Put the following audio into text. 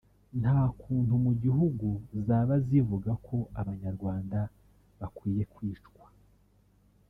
nta kuntu mu gihugu zaba zivuga ko abanyarwanda bakwiye kwicwa